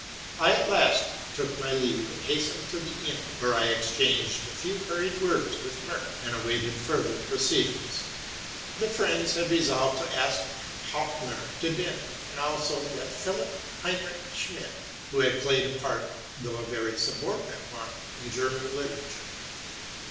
Lat last took my leave, and hastened to the inn, where I exchanged a few hurried words with Merck, and awaited further proceedings, The friends had resolved to ask Hopfner to dinner, and also that Christian Heinrich Schmid who had played a part, though a very subordinate one, in German literature.